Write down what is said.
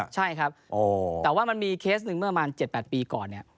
ใช่ครับแต่ว่ามันมีเคสหนึ่งเมื่อมา๗๘ปีก่อน